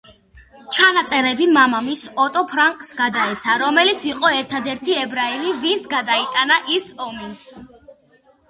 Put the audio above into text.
ჩანაწერები მამამისს, ოტო ფრანკს გადაეცა, რომელიც იყო ერთადერთი ებრაელი ვინც გადაიტანა ის ომი.